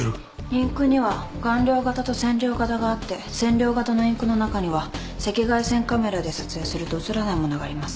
インクには顔料型と染料型があって染料型のインクの中には赤外線カメラで撮影すると写らないものがあります。